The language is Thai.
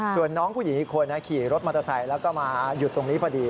ส่วนน้องผู้หญิงอีกคนขี่รถมอเตอร์ไซค์แล้วก็มาหยุดตรงนี้พอดี